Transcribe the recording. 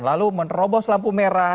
lalu menerobos lampu merah